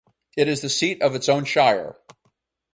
It is the seat of its own shire.